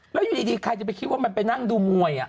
แล้วอยู่ดีใครจะไปคิดว่ามันไปนั่งดูมวย